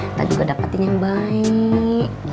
ntar juga dapetin yang baik